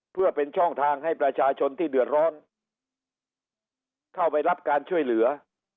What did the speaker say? เพื่อเป็นช่องทางให้ประชาชนที่เดือดร้อนเข้าไปรับการช่วยเหลือ